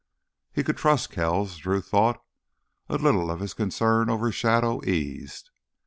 He could trust Kells, Drew thought. A little of his concern over Shadow eased.